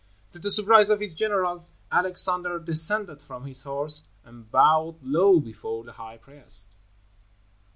To the surprise of his generals, Alexander descended from his horse and bowed low before the high priest.